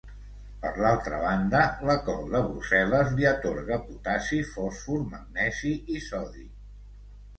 Per l'altra banda la col de Brussel·les li atorga potassi, fòsfor, magnesi i sodi.